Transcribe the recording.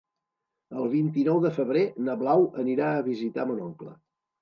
El vint-i-nou de febrer na Blau anirà a visitar mon oncle.